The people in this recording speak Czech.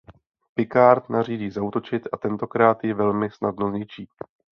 Picard nařídí zaútočit a tentokrát ji velmi snadno zničí.